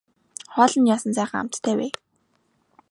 Хоол нь яасан сайхан амттай вэ.